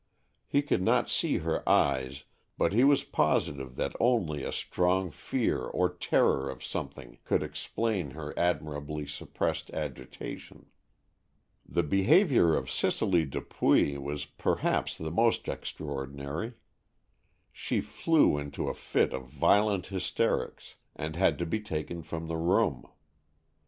He could not see her eyes, but he was positive that only a strong fear or terror of something could explain her admirably suppressed agitation. The behavior of Cicely Dupuy was perhaps the most extraordinary. She flew into a fit of violent hysterics, and had to be taken from the room.